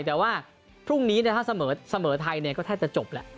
แต่ว่าพรุ่งนี้เนี่ยถ้าเสมอไทยเนี่ยก็แทบจะจบแหละ